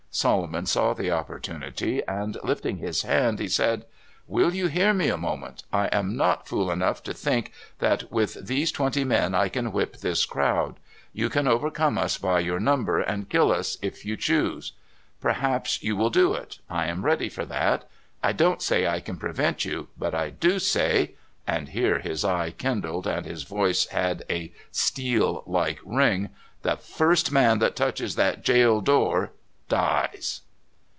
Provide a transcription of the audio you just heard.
Solo mon saw the opportunity, and, lifting his hand, he said :'' Will you hear me a moment ? I am not fool enough to think that with these twenty men I can whip this crowd. You can overcome us by your numbers and kill us if you choose. Perhaps you will do it — I am ready for that. I don't say I can prevent you, but I do say" — and here his eye kindled and his voice had a steel like ring —" the first man that touches that jail door dies!